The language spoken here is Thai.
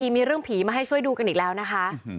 มีเรื่องผีมาให้ช่วยดูกันอีกแล้วนะคะ